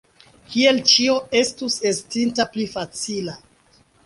Kiel ĉio estus estinta pli facila!